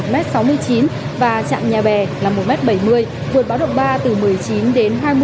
và trạm nhà bè là một bảy mươi m vượt báo động ba từ một mươi chín đến hai mươi cm